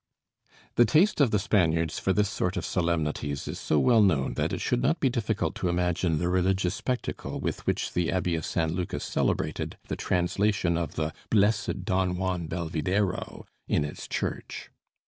The taste of the Spaniards for this sort of solemnities is so well known that it should not be difficult to imagine the religious spectacle with which the abbey of San Lucas celebrated the translation of "the blessed Don Juan Belvidéro" in its church.